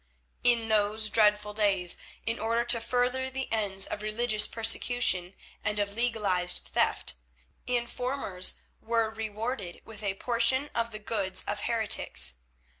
In those dreadful days, in order to further the ends of religious persecution and of legalised theft, informers were rewarded with a portion of the goods of heretics.